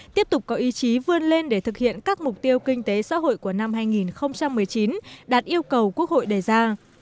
tiếp tục có ý chí vươn lên để thực hiện các mục tiêu kinh tế xã hội của năm hai nghìn một mươi chín đạt yêu cầu quốc hội đề ra